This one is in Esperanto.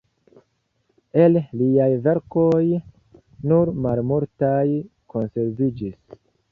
El liaj verkoj nur malmultaj konserviĝis.